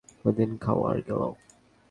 প্রতিদিন খাও আর গেলো।